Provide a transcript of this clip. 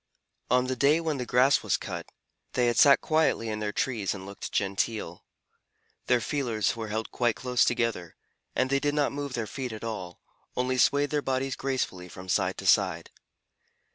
On the day when the grass was cut, they had sat quietly in their trees and looked genteel. Their feelers were held quite close together, and they did not move their feet at all, only swayed their bodies gracefully from side to side.